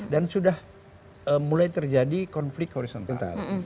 dan sudah mulai terjadi konflik horizontal